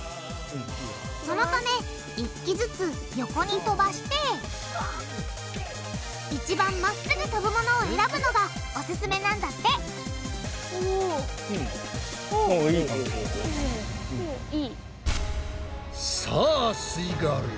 そのため１機ずつ横に飛ばして一番真っ直ぐ飛ぶものを選ぶのがオススメなんだってさあすイガールよ！